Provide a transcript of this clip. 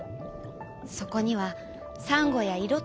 そこにはサンゴやいろ